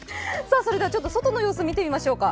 では外の様子、見てみましょうか。